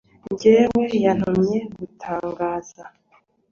njyewe yantumye gutangaza